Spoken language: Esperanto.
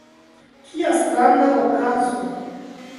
kia stranga okazo!